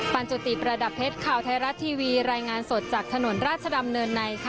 จุติประดับเพชรข่าวไทยรัฐทีวีรายงานสดจากถนนราชดำเนินในค่ะ